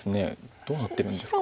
どうなってるんですか。